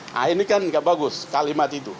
nah ini kan nggak bagus kalimat itu